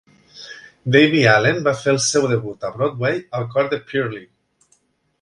Debbie Allen va fer el seu debut a Broadway al cor de "Purlie".